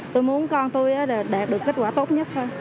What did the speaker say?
tôi muốn con tôi đạt được kết quả tốt nhất hơn